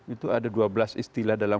itu ada dua belas istilah dalam